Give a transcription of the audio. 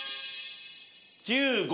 １５。